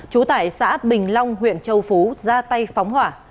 trú tại xã bình long huyện châu phú ra tay phóng hỏa